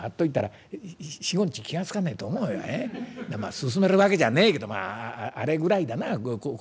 薦めるわけじゃねえけどまああれぐらいだなこれだと」。